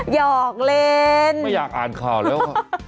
หอกเล่นไม่อยากอ่านข่าวแล้ว